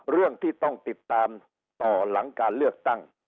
เรื่องที่ต้องติดตามต่อหลังการเลือกตั้ง